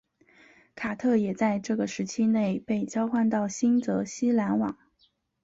卡特也在这个时期内被交换到新泽西篮网。